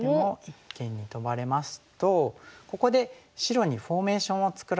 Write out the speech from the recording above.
一間にトバれますとここで白にフォーメーションを作られてしまう。